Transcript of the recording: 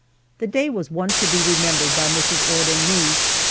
The day was one to be remembered by Mrs. Ord and me.